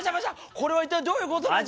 これは一体どういうことなんだ？